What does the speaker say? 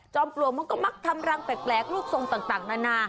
ปลวกมันก็มักทำรังแปลกรูปทรงต่างนานา